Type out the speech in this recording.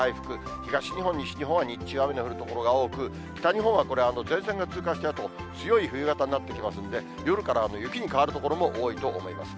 東日本、西日本は日中雨の降る所が多く、北日本はこれ、前線が通過したあと、強い冬型になっていきますので、夜から雪に変わる所も多いと思います。